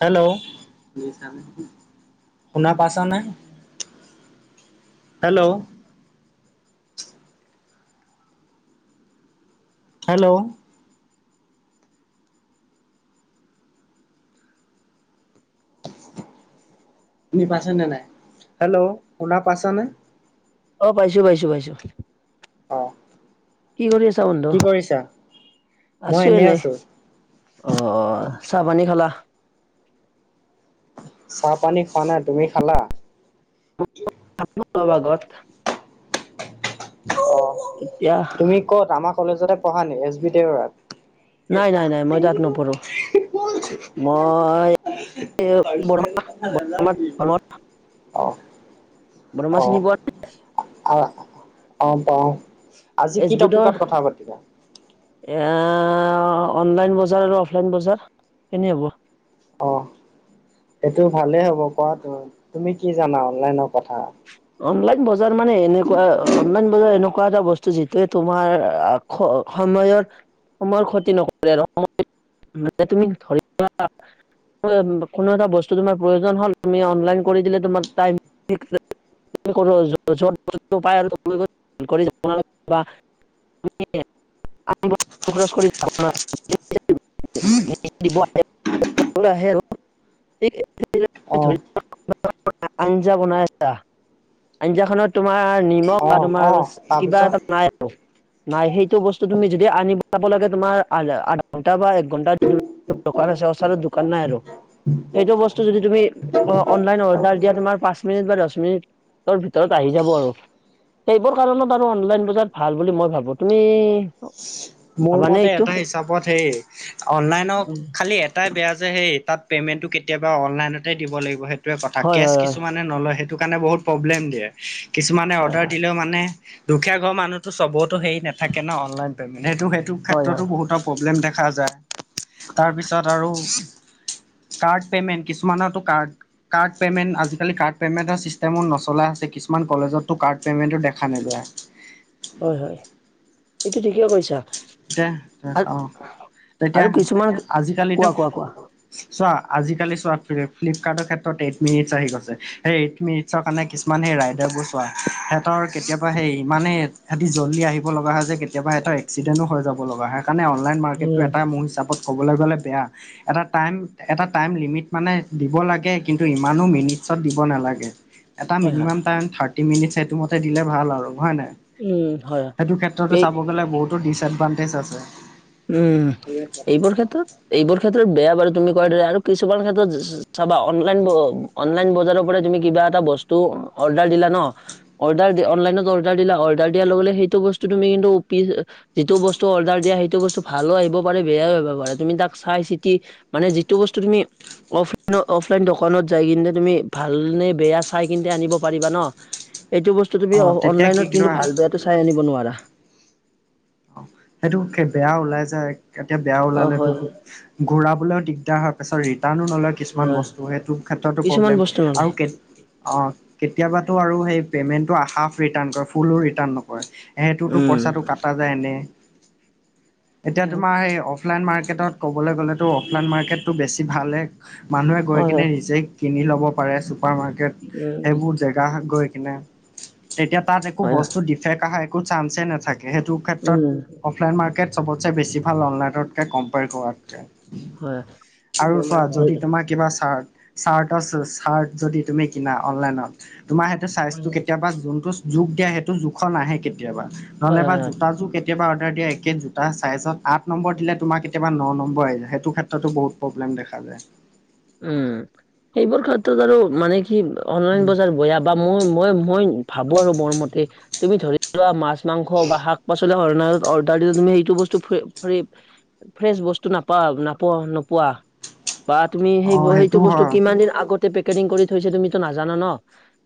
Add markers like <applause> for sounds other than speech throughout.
Hello শুনা পাইছানে hello hello শুনি পাইচ নে নাই হেল্ল' শুনা পাইছেনে অ পাইছো পাইছো পাইছো অ কি কৰি আছা বন্ধু কি কৰিছা? মই আছো এনেই এনে অ অ চাহপানী খালা চাহ পানী খোৱা নাই তুমি খালা <unintelligible> অ এতিয়া তুমি কত আমাৰ কলেজতে পঢ়া নে এছ বি দেওৰাত। নাই নাই নাই মই তাত নপঢ়ো মই বৰ্মা বৰ্মাত <unintelligible> <unintelligible> ধৰ্মত আহ বৰ্মা চিনি আহ পোৱা নে? আহ অ পাওঁ আজি কি এছ বি টপিকত টোৰ কথা পাতিবা? অনলাইন বজাৰ আৰু অফলাইন বজাৰ কেনে হ'ব অ এইটো ভালেই হ'ব কোৱাটো তুমি কি জানা অনলাইনৰ কথা অনলাইন বজাৰ মানে এনেকুৱা অনলাইন বজাৰ এনেকুৱা এটা বস্তু যিটোয়ে তোমাৰ সময়ৰ সময় ক্ষতি নকৰে আৰু সময় মানে তুমি ধৰিবা <unintelligible> কোনো এটা বস্তু তোমাৰ প্ৰয়োজন হ'ল তুমি অনলাইন কৰি দিলে তোমাক তাই দিদিলে। <unintelligible> <unintelligible> খৰচ কৰি যাব <unintelligible> ে <unintelligible> অ ধ আঞ্জা বনাই আছা আঞ্জা খত তোমাৰ <unintelligible> তাৰ নিমখ অ তোমাৰ অ কিবা তাৰপিছত? এটা নাই আৰু নাই সেইটো বস্তু তুমি যদি আনি পাব লাগে তোমাৰ আধা ঘণ্টা বা এক ঘন্টা দোকান আছে ওচৰত দোকান নাই আৰু সেইটো বস্তু যদি তুমি অনলাইন অৰ্ডাৰ দিয়া তোমাৰ পাঁচ মিনিট বা পচ মিনিটৰ ভিতৰত আহি যাব আৰু সেইবোৰ কাৰণত বাৰু অনলাইন বজাৰ ভাল বুলি মই ভাবো তুমি মোৰ ভাবানে মতে এইটো এটা হিচাপত হেই অনলাইন খালি এটয় বেয়া যে তাত পেমেন্টো কেতিয়াবা অনলাইন দিব লাগিব‌ সেই টৈৱে কথা হয় হয় হয় না নলয় সেইটো কাৰণে বহুত প্ৰব্লেম দিয়ে কিছুমানে হয় অৰ্ডাৰ দিলেও মানে দুখীয়া ঘৰ মানুহটো চবৰেত হে নাথাকে ন অনলাইন পেমেণ্ট সেইটোইটো হয় হয়। ক্ষেত্ৰতো বহুত প্ৰব্লেম দেখা যায় তাৰপিছত আৰু কাৰ্ড পেমেণ্ট, কিছুমানটু কাৰ্ড। কাৰ্ড পেমেণ্ট, আজিকালি কাৰ্ড পেমেণ্টৰচিষ্টেমবোৰ নচলা হৈছে, কিছুমান কলেজতো কাৰ্ড পে'মেণ্টো দেখা নাযায়। হয় হয় এইটো ঠিকেই কৰিছা। ছেহ অঁ' এতিয়া আৰু কিছুমান আজিকালিটো। কোৱা কোৱা কোৱা। চোৱা, আজিকালি চোৱা, ফ্লড ফ্লিপকাৰ্টৰ ক্ষেত্ৰত এইট মিনিটচ আহি গৈছে, সেই এইট মিনিট চৰ' কাৰণে কিছুমান সেই ৰাইডাৰবোৰ চোৱা সেহঁতৰ কেতিয়াবা সেই ইমানেই সেহঁতি জল্দি আহিব লগা হয় যে কেতিয়াবা এটা এক্সিডেণ্টো হৈ যাব লগা হয়। সেইকাৰণে অনলাইন মাৰ্কেটটো উম এটা মোৰ হিচাপত ক'বলৈ গ'লে বেয়া এটা টাইম এটা টাইম লিমিট মানে দিব লাগে, কিন্তু ইমানো মিনিটছত দিব নালাগে। এটা হয় হয় মিনিমাম টাইম থাৰ্টি মিনিটছ সেইটো মতে দিলে ভাল আৰু, হয় নাই? উম হয় সেইটো ক্ষেত্ৰতে এই চাব গ'লে বহুতো ডিচ এডভানটেজ আছে। উম এইবোৰ ক্ষেত্ৰত এইবোৰ ক্ষেত্ৰত বেয়া বাৰু তুমি কোৱাৰ দৰে, আৰু কিছুমান ক্ষেত্ৰত চাবা অনলাইন ব অনলাইন বজাৰৰ পৰা তুমি কিবা এটা বস্তু অৰ্ডাৰ দিলা ন' অৰ্ডাৰ অনলাইনত অৰ্ডাৰ দিলা অৰ্ডাৰ দিয়াৰ লগে লগে সেইটো বস্তু তুমি কিন্তু অপি যিটো বস্তু অৰ্ডাৰ দিয়া সেইটো বস্ তু ভালো আহিব পাৰে, বেয়ও আহিব পাৰে। তুমি তাক চাই চিতি মানে যিটো বস্তু তুমি অফলাইন -অফলাইন- দোকানত যাই কিনলে তুমি ভালনে বেয়া চাই কিন্তে আনিব পাৰিবা ন এইটো বস্তু তুমি অ তেতিয়া কি অনলাইনত কিন্তু কিবা ভাল বেয়টো চাই আনিব নোৱাৰা। অঁ সেইটো কে বেয়া ওলাই যায় এতিয়া বেয়া অ ওলালেতো হয় ঘূৰাবলেও দিগদাৰ হয়, পাছত ৰিটাৰ্ণো নলয় হয় কিছুমান হয় বস্তু সেইটো ক্ষেত্ৰতো কিছুমান প্ৰব্লেম বস্তু নলয় আৰু কে অঁ কেতিয়াবা টো আৰু পেমেণ্টৰ হাফ ৰিটাৰ্ণ কৰে, ফুলো নকয়। সেইটোতো পইচাটো কটা যায় এনেই, এতিয়া উম তোমাৰ সেই অফ অফলাইন মাৰ্কেটত ক'বলৈ গ'লেতো অফলাইন মাৰ্কেটটো বেছি ভালে হে মানুহে গৈ হয়, হয়, কিনে নিজেই কিনি ল'ব পাৰে, ছুপাৰ মাৰ্কেট উম, সেইবোৰ জেগা গৈ কিনে। তেতিয়া তাত একো হয়, হয়, বস্তু ডিফেক্ট আহা একো চান্সে নাথাকে সেইটো ক্ষেত্ৰত উম, অফলাইন মাৰ্কেট চবতচে বেছি ভাল, অনলাইনতকে কম্পেয়াৰ কৰাতকে। হয়, আৰু চোৱা যদি তোমাক কিবা চাৰ্ট- চাৰটাচ-চাৰ্ট -যদি তুমি কিনা অনলাইনত তোমাৰ হয়, চাইজটো কেতিয়াবা যোনটো জোখ দিয়া সেইটো জোখ নাহে কেতিয়াবা হয়, নহ'লে বা হয়, হয়, জোতা জোখ এ কেতিয়াবা অৰ্ডাৰ দিয় একে জোতা ছাইজত আঠ নম্বৰ দিলে তোমাৰ কেতিয়াব ন' নম্বৰ আহি যায়, সেইটো ক্ষেত্ৰতো বহুত প্ৰব্লেম দেখা যায়। উম সেইবোৰ ক্ষেত্ৰত বাৰু মানে কি অনলাইন বজাৰ বয়া বা মই মই মই ভাবো আৰু মোৰ মতে, তুমি ধৰি লোৱা মাছ মাংস বা শাক -পাচলি অৰ্নাৰত অৰ্ডাৰ দিলে তুমি সেইটো বস্তু ফৰি ফ্ৰি ফ্ৰেচ বস্তু নাপাৱ নপোৱা নোপোৱা বা তুমি সেই ব অ' সেইটো বস্তু হয়। কিমান দিন আগতে পেকেটিং কৰি থৈছে তুমিতো নাজানা ন'।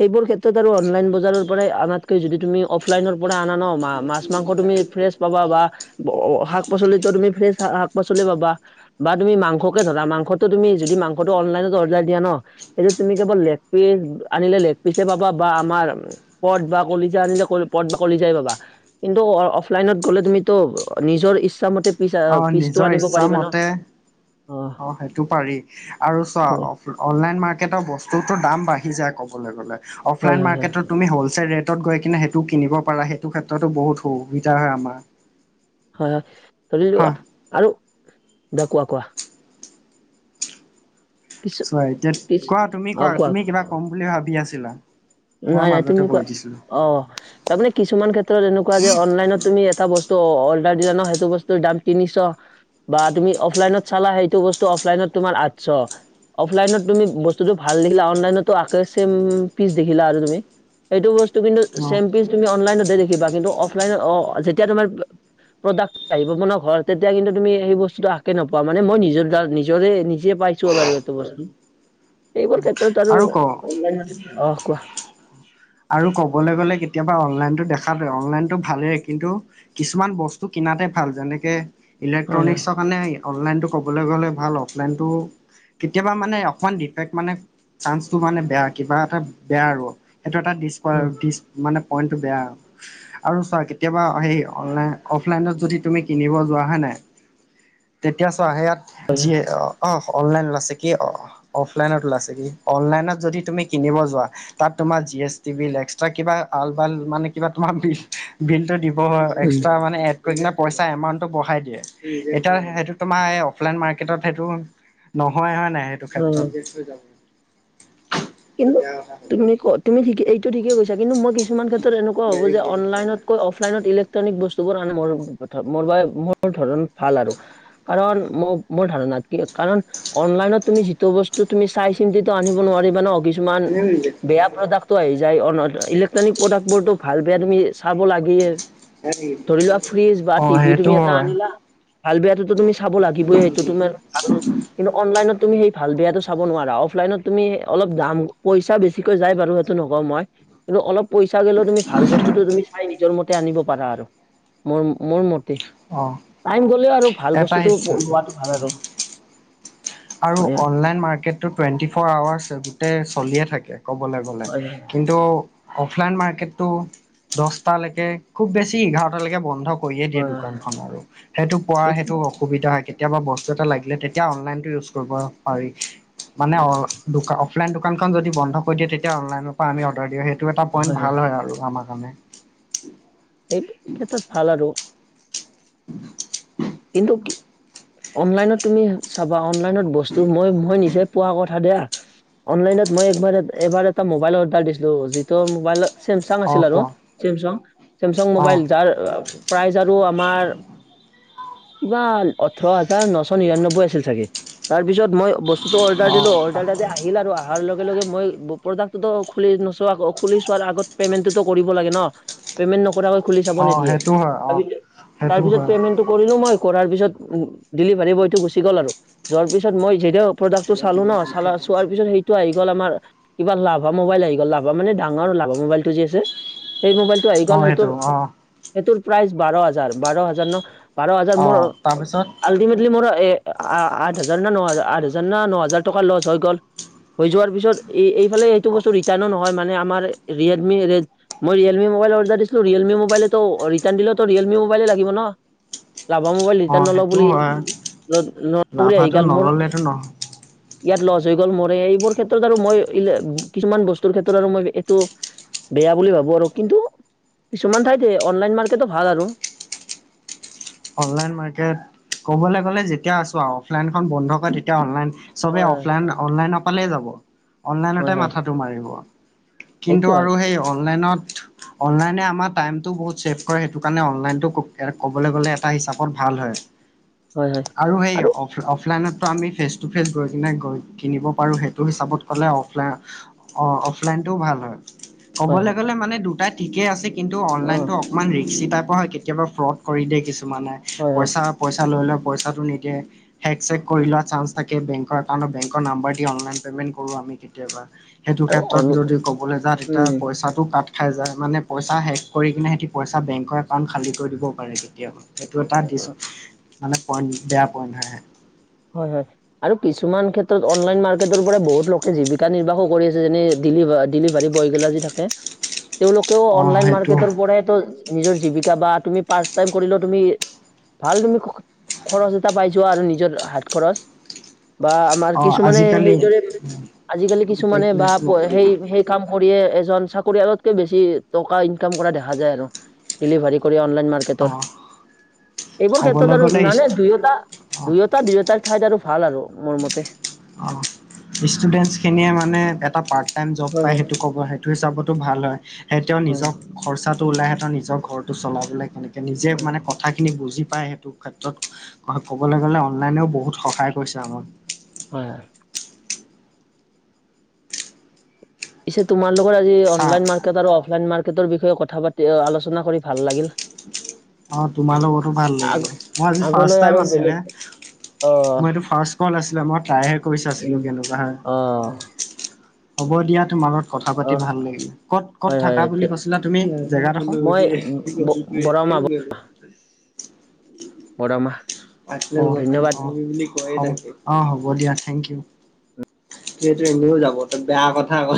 সেইবোৰ ক্ষেত্ৰত আৰু অনলাইন বজাৰৰ পৰাই আনাতকৈ যদি তুমি অফলাইনৰ পৰা আনা ন' মা মাছ মাংস তুমি ফ্ৰেছ পাবা বা ব শাক পাচলিত' তুমি ফ্ৰেছ শাক পাচলি পাবা বা তুমি মাংসকে ধৰা মাংস ত' তুমি যদি মাংসটো অনলাইনত অৰ্ডাৰ দিয়া ন' এইটোত তুমি কেৱল লেগ পিচ আনিলে লেগ পিচে পাবা বা আমাৰ পদ বা কলিজা আনিলে কল পদ বা কলিজাই পাবা কিন্তু অ অফলাইনত গ'লে তুমিত' নিজৰ ইচ্ছা মতে ফিছা অ' পিছটো নিজৰ আনিব পাৰিবা ন অ অঁ সেইটো পাৰি, আৰু চোৱা অফ অনলাইন মাৰ্কেটৰ বস্তুটোৰ ত' দাম বাঢ়ি যায় ক'বলে গ'লে। হয় অফলাইন হয় হয় মাৰ্কেটত তুমি হ'লচেল ৰেট ত'ত গৈ কিনে সেইটো কিনিব পাৰা, সেইটো ক্ষেত্ৰতো বহুত সুবিধা হয় আমা হয় হয়। ধৰি লোৱা আৰু দে কোৱা কোৱা কিছু চোৱা এতিয়াত কিছু কোৱা তুমি কোৱা তুমি কিবা কম বুলি ভাবি আছিলা। মই নাই নাই মাজতে তুমি কৈ কোৱা দিছিলো অঁ তাৰমানে কিছুমান ক্ষেত্ৰত এনেকুৱা যে অনলাইনত তুমি এটা বস্তু অৰ্ডাৰ দিলা ন, সেইটো বস্ত দাম তিনিশ। বা তুমি অফলাইনত চালা সেইটো বস্তু অফলাইনত তোমাৰ আঠশ। অফলাইনত তুমি বস্তুতটো ভাল দেখিলা অনলাইনতো একেই চেইম পিছ দেখিলা আৰু তুমি, সেইটো বস্তু কিন্তু অ চেম টো তুমি অনলাইনতে দেখিবা, কিন্তু অফলাইনত অ যেতিয়া তোমাৰ প্ৰডাক্ট আহিব ম ন ঘৰত তেতিয়া কিন্তু তুমি সেই বস্তুটো আকে নপোৱা, মানে মই নিজৰ নিজ নিজে পাইছো। ছো বাৰু এইটো বস্তু এইবোৰ ক্ষেত্ৰত আৰু অনলাইত অহঁ কোৱা? আৰু ক'বলৈ গ'লে কেতিয়াবা অনলাইনটো দেখাটোৱে, অনলাইনটো ভালেই কিন্তু কিছুমান বস্তু কিনাতে ভাল যেনেকে হয় হয় ইলেক্ট্ৰনিক্সৰ কাৰণে অনলাইনটো ক'বলৈ গ'লে ভাল, অফলাইনটো কেতিয়াবা মানে এখন ডিফেক্ট মানে চাঞ্চটো মানে বেয়া কিবা এটা বেয়া আৰু। সেইটো এটা ডিছপ উম, ডিচ মানে পইণ্টটো বেয়া আও। আৰু চোৱা কেতিয়াবা সেই অনলাইন অফলাইনত যদি তুমি কিনিব যোৱা হয় নাই। তেতিয়া চা সেয়াত হয় হয় যিয়ে অঁ অনলাইন ওলাইছে কি অ অফলাইনত ওলাইছে কি অনলাইনত যদি তুমি কিনিব যোৱা, তাত তোমা জিএছটি বিল এক্সট্ৰা কিবা আল বাল মানে কিবা তোমা বিল বিলটো দিব উম এক্সট্ৰা মানে কিনে পইচা এমাউন্টো বঢ়াই দিয়ে, এতিয়া সেইটো তোমাৰ এই অফলাইন মাৰ্কেটত সেইটো নহয় হয় নাই সেইটো ক্ষেত্ৰত? উম, কিন্তু তুমি ক তুমি ঠিক এইটো ঠিকেই কৈছা কিন্তু মই কিছুমান ক্ষেত্ৰত এনেকুৱা হ'ব যে অনলাইনত অফলাইনত ইলেক্ট্ৰনিক বস্তুবোৰ মোৰ বাবে মোৰ ধৰণ ভাল আৰু। কাৰণ মোৰ মোৰ ধাৰণাত কি কাৰণ অনলাইনত তুমি যিটো বস্তু তুমি চাই চিন্তিটো আনিব নোৱাৰিবা ন, ‌ কিছুমান বেয়া প্ৰডাক্ ক্ট আহি যায় ইলেক্ট্ৰনিক প্ৰডাক্ট বোৰো ভাল বেয়া তুমি চাব লাগিয়ে। ধৰি লোৱা ফ্ৰিজ বা অ টিভি সেইটো তুমি এটা হয় আনিলা। ভাল বেয়াটোতো তুমি চাব লাগিবই, সেইটো তোমাৰ ভাল কিন্তু অনলাইনত তুমি সেই ভাল বেয়াটো চাব নোৱাৰা, অফলাইনত তুমি অলপ দাম, পইচা বেছিকৈ যায় বাৰু সেইটো নকওঁ মই কিন্তু অলপ পইচা গ'লেও তুমি ভাল বস্তুতটো তুমি চাই নিজৰ মতে আনিব পাৰা আৰু, মোৰ মোৰ মতে। অ টাইম গ'লেও আৰু ভাল এটা বস্তুতটো আহিছে লোৱাটো ভাল আৰু। আৰু হয় অনলাইন মাৰ্কেটটো টুৱেণ্টি ফ'ৰ আৱাৰ্চ গোটেই চলিয়ে থাকে ক'বলৈ গ'লে, হয় হয় হয় কিন ন্তু অফলাইন মাৰ্কেটো দশটালৈকে খুব বেছি এঘাৰটালৈকে বন্ধ কৰিয়ে দিয়ে হয় হয় দোকানখন আৰু, সেইটো কোৱা সেইটো অসুবিধা কেতিয়াবা বস্তু এটা লাগিলে তেতিয়া অনলাইনতটো ইউজ কৰিব পাৰি, মানে হয় অ অফলাইন দোকানখন যদি বন্ধ কৰি দিয়ে, তেতিয়া অনলাইনৰ পৰা আমি অৰ্ডাৰ দিওঁ সেইটো এটা পইণ্ট ভাল হয় আৰু আমাৰ কাৰণে। সেই ক্ষেত্ৰত ভাল আৰু। <unintelligible> কিন্তু কি? অনলাইনত তুমি চাবা অনলাইনত বস্তু মই মই নিজে পোৱা কথা দিয়া। অনলাইনত মই এবাৰ এবাৰ এটা মোবাইল অৰ্ডাৰ দিছিলো, যিটোৰ মোবাইলত চেমচাং অঁ আছিল আৰু, কোৱা চেমচাং চেমচাং অঁ মোবাইল যাৰ প্ৰাইজ আৰু আমাৰ কিবা ওঠৰ হাজাৰ নশ নিৰান্নব্বৈ আছিল, চাগে তাৰপিছত মই <inaudible> অৰ্ডাৰ অঁ দিলো অৰ্ডাৰাটো যে আহিল আৰু তাৰ লগে লগে মই প্ৰডাক্টটো খুলি নোচোৱা খুলি চোৱাৰ আগত পেমেন্টটো কৰিব লাগে ন পেমেন্ট নকৰাকৈ খুলি চাব অঁ নিদিয়ে সেইটো হয় অঁ। সেইটো তাৰপিছত হয়। পাইমেণ্টো কৰিলো মই কৰাৰ পিছত উ ডেলিভাৰী বয়টো গুচি গ'ল আৰু যোৱাৰ পিছত মই জেদত প্ৰডাক্টটো চালো ন চালা চোৱাৰ পিছত সেই টো আহি গ' আমাৰ কিবা লাভা মোবাইল আহি গল লাভা মানে ডাঙৰ লাভা মোবাইলটো যে আছে সেই মোবাইলটো আহি গ'ল অঁ সেইটো সেইটোৰ অঁ। সেইটোৰ প্ৰাইচ বাৰ হাজাৰ বাৰ হাজাৰ ন বাৰ হাজাৰ মোৰ অ', তাৰপিছত আল্টিমেটলি মোৰ এ আ আঠ হাজাৰ না ন হাজাৰ আঠ হাজাৰ ন ন হাজাৰ টকা লচ হৈ গ'ল হৈ যোৱাৰ পিছত এই এইফালে এইটো বস্তু ৰিটাৰ্ণো নহয় মানে আমাৰ ৰীয়েলমি ৰেড মই ৰিয়েলমি মোবাইল অৰ্ডাৰ দিছিলো ৰিয়েলমি মোবাইলেত ৰিটাৰ্ণ দিলেটো ৰীয়েলমি মোবাইলে লাগিব ন লাভা মোবাইল অ ৰিটাৰ্ণ নলওঁ সেইটো বুলি হয় নলওঁ বুলি আহি লাভাটো গ'ল মোৰ নল'লেতো নহয় ইয়াত লছ হৈ গ'ল মৰে এইবোৰ ক্ষেত্ৰত আৰু মই কিছুমান বস্তুৰ ক্ষেত্ৰত আৰু মই এইটো বেয়া বুলি ভাবো আৰু কিন্তু কিছুমান ঠাইত অনলাইন মাৰ্কেটো ভাল আৰু অনলাইন মাৰ্কেট ক'বলৈ গ'লে যেতিয়া আছো আৰু অফলাইনখন বন্ধ কৰে তেতিয়া অনলাইন চবে হয় হয় অফলাইন অনলাইন নাপালেই যাব হয় অনলাইনতে হয় মাথাটো মাৰিব কিন্তু সেইটো হয়, আৰু সেই অনলাইনত অনলাইনে আমাৰ টাইমটো বহুত ছেভ কৰে সেইটো কাৰণে অনলাইনটো ক'বলৈ গ'লে এটা হিচাপত ভাল হয় হয় হয় আৰু সেই অফ অফলাইনততো আমি ফেচ টু ফেচ গৈ কিনে গৈ কিনিব পাৰোঁ সেইটো হিচাপত ক'লে অফলাইন অ অফলাইনতটোও ভাল হয় হয় ক'বলৈ হয় গ'লে মানে দুটাই ঠিকে আছে কিন্তু অ', অনলাইনতটো অকমান ৰিক্সি টাইপৰ হয় কেতিয়াবা ফ্ৰড কৰি দিয়ে কিছুমানে হয় হয় পইচা পইচা লৈ লয় পইচাটো নিদিয়ে হেক চেক কৰি লোৱা চান থাকে বেংকৰ নাম্বৰ দি অনলাইন পেমেণ্ট কৰো আমি কেতিয়াবা সেইটো আৰু ক্ষেত্ৰত অন যদি ক'বলৈ যা তেতিয়া উম, পইচাটো কাট যাই মানে পইচা শেষ কৰি কিনে সিহঁতি পইচা বেংকৰ একাউণ্ট খালী কৰি দিবও পাৰে কেতিয়াবা এইটো এটা ড অ' মানে পইণ্ট বেয়া পইণ্ট হয়। হয় হয় আৰু কিছুমান ক্ষেত্ৰত অনলাইন মাৰ্কেটৰ পৰাই বহুত লোকে জীৱিকা নিৰ্বাহো কৰি আছে যেনে দিলিভাৰ ডেলিভাৰী বয় গিলাজি থাকে উ <inaudible> তেওঁলোকেও অনলাইন মাৰ্কেটৰ পৰাই নিজৰ জীৱিকা বা তুমি পাৰ্ট টাইম কৰিলেও তুমি ভাল তুমি খৰচ এটা পাই যোৱা আৰু নিজৰ হাত খৰচ বা আমাৰ অ' কিছুমানে আজিকালি সেইদৰে আজিকালি গোটেই কিছুমানে বা ক্লাছ সেই নকৰিবি সেই কাম কৰিয়ে এজন চাকৰিয়ালতকে বেছি টকা ইনকাম কৰা দেখা যায় আৰু ডেলিভাৰ কৰি অনলাইন মাৰ্কেট অ' এইবোৰ ক'বলৈ ক্ষেত্ৰত আৰু গ'লে নানে দুইটা অ' দুইটা দুইটা ৰ ঠাইত আৰু ভাল আৰু মোৰ মতে ষ্টুডেণ্ট খিনিয়ে মানে এটা পাৰ্ত টাইম জব পাই হয় সেইটো হয় কব থই চাবতো ভাল হয় সেই তেওঁ নিজৰ হয় খৰচাটো ওলাইহে তেওঁ নিজৰ ঘৰটো চলাবলৈ কেনেকে নিজে হয় মানে ক কথাখিনি বুজি পাই সেইটো ক্ষেত্ৰত হয় কবলৈ গলে অনলাইনেও বহুত সহায় কৰিছে আমাৰ হয় পিছে তোমালোকৰ আজি চা অনলাইন মাৰ্কেট আৰু অফলাইন মাৰ্কেটৰ বিষয়ে কথা পাতি আলোচনা কৰি ভাল লাগিল। অ তোমাৰ লগতো ভাল আগ লাগিলে, মই আজি ফাৰ্ষ্ট আগলৈ টাইম আৰু আছিলে। বেলেগ অ মোৰ এইটো ফাৰ্ষ্ট কল আছিলে, মই ট্ৰাইহে কৰিছিলো উম কেনেকুৱা হয়। অ হ'ব দিয়া তোমাৰ লগত কথা পাতি অ ভাল লাগিল। কত কত হয় হয় থাকা বুলি কৈছিলা তুমি জেগাডোখৰ? ব <inaudible> <inaudible> বৰমাহ। <unintelligible> অ হ'ব দিয়া থেংক ইউ, সেইটো এনেও যাব ত বেয়া কথা অ।